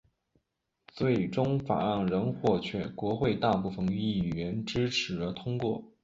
最终法案仍获国会大部份议员支持而通过。